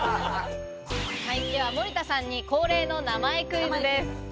では森田さんに恒例の名前クイズです。